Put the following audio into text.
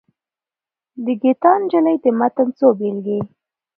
د ګیتا نجلي د متن څو بېلګې.